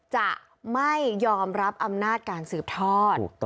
จะไม่ยอมรับอำนาจการสืบทอด